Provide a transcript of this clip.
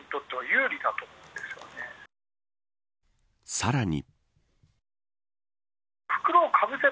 さらに。